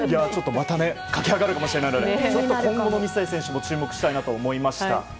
また駆け上がるかもしれないので今後の水谷選手にも注目したいなと思いました。